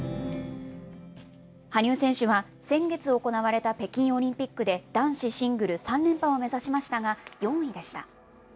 羽生選手は、先月行われた北京オリンピックで、男子シングル３連覇を目指しましたが、４位でした。